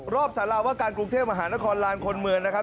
รอบสารว่าการกรุงเทพฯมหาวิทยาลังคลลานคนเมืองนะครับ